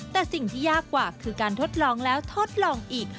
แต่สิ่งที่ยากกว่าคือการทดลองแล้วทดลองอีก